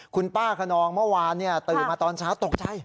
คุณป้าคนนองเมื่อวานตื่นมาตอนเช้าตกใจ